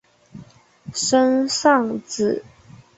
森尚子。